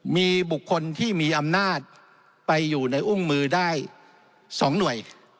มีบุคคลที่มีอำนาจไปอยู่ในอุ้งมือได้๒หน่วย